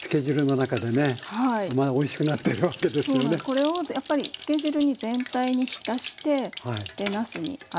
これをやっぱりつけ汁に全体に浸してでなすに味を含ませます。